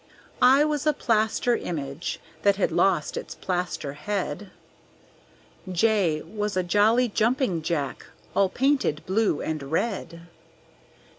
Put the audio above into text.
I was a plaster Image that had lost its plaster head; J was a jolly Jumping Jack all painted blue and red.